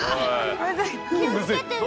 気を付けてね靴。